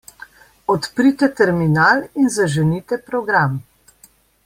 Odprite terminal in zaženite program.